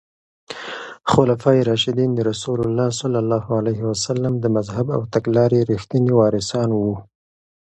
خلفای راشدین د رسول الله ص د مذهب او تګلارې رښتیني وارثان وو.